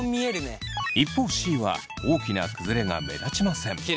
一方Ｃは大きな崩れが目立ちません。